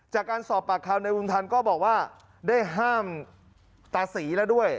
จากการสอบปากคำในบุญทันก็บอกว่าได้ห้ามตาศรีแล้วด้วย